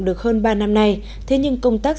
được hơn ba năm nay thế nhưng công tác